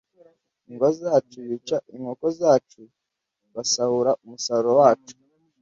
ingo zacu bica inkoko zacu basahura umusaruro wacu